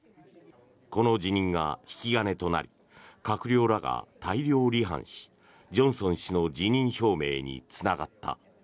この辞任が引き金となり閣僚らが大量離反しジョンソン氏の辞任表明につながった。